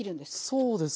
そうですね。